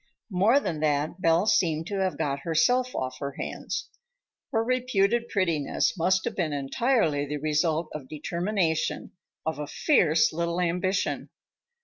More than that, Belle seemed to have got herself off her hands. Her reputed prettiness must have been entirely the result of determination, of a fierce little ambition.